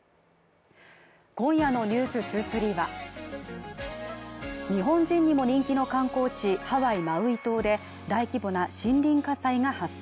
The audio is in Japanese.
今夜の「ｎｅｗｓ２３」は日本人にも人気の観光地ハワイ・マウイ島で大規模な森林火災が発生